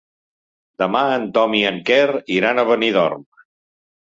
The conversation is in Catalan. Demà en Tom i en Quer iran a Benidorm.